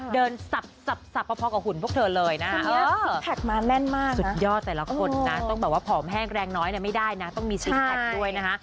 เดินสับเพราะพอกับหุ่นพวกเธอเลยนะสุดยอดแต่ละคนนะต้องแบบว่าผอมแห้งแรงน้อยไม่ได้นะต้องมีสิคแพ็คด้วยนะ